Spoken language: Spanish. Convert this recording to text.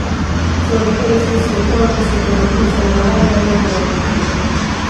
Su origen es incierto, aunque se cree que funcionaba ya en el neolítico.